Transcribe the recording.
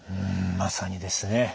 まさにですね。